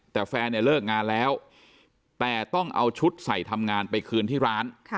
แต่แฟนเนี่ยเลิกงานแล้วแต่ต้องเอาชุดใส่ทำงานไปคืนที่ร้าน